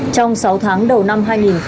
trong sáu tháng đầu năm hai nghìn hai mươi